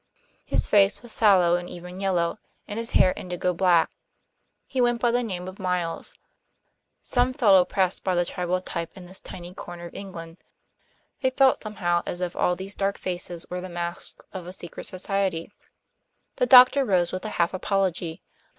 His face was sallow and even yellow, and his hair indigo black. He went by the name of Miles. Some felt oppressed by the tribal type in this tiny corner of England. They felt somehow as if all these dark faces were the masks of a secret society. The doctor rose with a half apology.